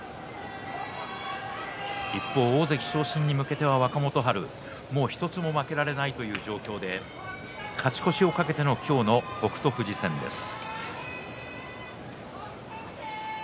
一方、大関昇進に向けては若元春もう１つも負けられないという状況で勝ち越しを懸けての今日の北勝富士戦です。